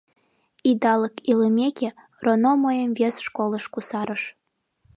Идалык илымеке, РОНО мыйым вес школыш кусарыш.